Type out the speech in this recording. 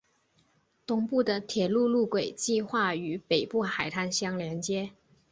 东部的铁路路轨计画与北部海滩相联接。